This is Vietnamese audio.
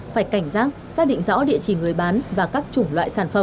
phải cảnh giác xác định rõ địa chỉ người bán và các chủng loại sản phẩm